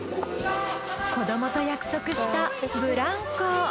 子どもと約束したブランコ！